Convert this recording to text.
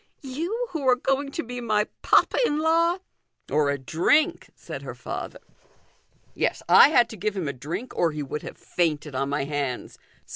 you, who are going to be my papa in la w ?"" Or a drink," said her father. " Yes, I had to give him a drink, or he would have fainted on my hands.